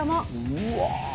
「うわ！」